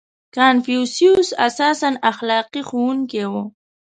• کنفوسیوس اساساً اخلاقي ښوونکی و.